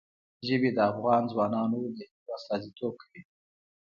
ژبې د افغان ځوانانو د هیلو استازیتوب کوي.